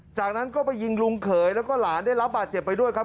จากนั้นก็ไปยิงลุงเขยแล้วก็หลานได้รับบาดเจ็บไปด้วยครับ